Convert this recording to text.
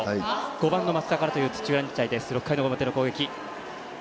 ５番の松田という土浦日大６回の表の攻撃。